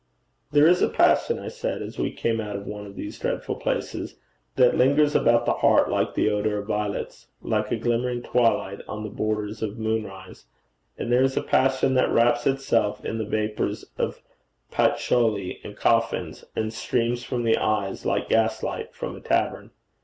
'There is a passion,' I said, as we came out of one of these dreadful places, 'that lingers about the heart like the odour of violets, like a glimmering twilight on the borders of moonrise; and there is a passion that wraps itself in the vapours of patchouli and coffins, and streams from the eyes like gaslight from a tavern.